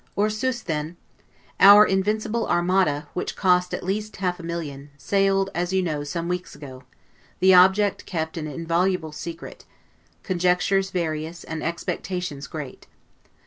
'Or sus' then Our in vincible Armada, which cost at least half a million, sailed, as you know, some weeks ago; the object kept an inviolable secret: conjectures various, and expectations great.